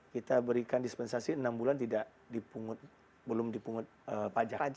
kita berikan dispensasi enam bulan tidak dipungut belum dipungut pajak gitu ya